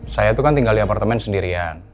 saya itu kan tinggal di apartemen sendirian